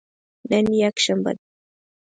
نن یکشنبه ده